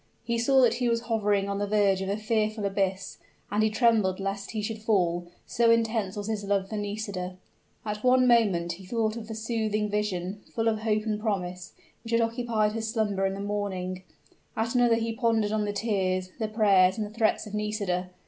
He saw that he was hovering on the verge of a fearful abyss and he trembled lest he should fall, so intense was his love for Nisida. At one moment he thought of the soothing vision, full of hope and promise, which had occupied his slumber in the morning; at another he pondered on the tears, the prayers, and the threats of Nisida.